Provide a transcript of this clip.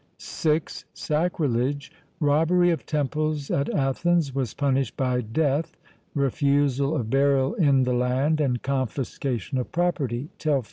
(6) Sacrilege. Robbery of temples at Athens was punished by death, refusal of burial in the land, and confiscation of property (Telfy).